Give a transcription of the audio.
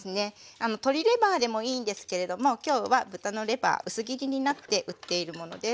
鶏レバーでもいいんですけれども今日は豚のレバー薄切りになって売っているものです。